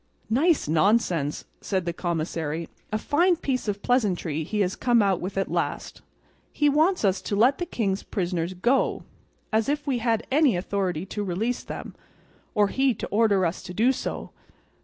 "Nice nonsense!" said the commissary; "a fine piece of pleasantry he has come out with at last! He wants us to let the king's prisoners go, as if we had any authority to release them, or he to order us to do so!